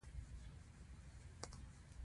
خلاق تخریب له ځان سره لري.